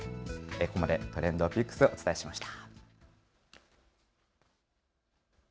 ここまでＴｒｅｎｄＰｉｃｋｓをお伝えしました。